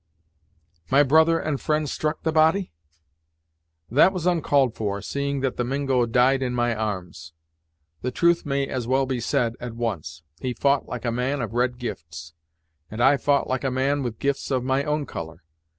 "My brother and friend struck the body?" "That was uncalled for, seeing that the Mingo died in my arms. The truth may as well be said, at once; he fou't like a man of red gifts, and I fou't like a man with gifts of my own colour.